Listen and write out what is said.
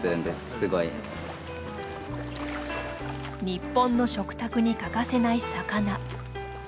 日本の食卓に欠かせない魚。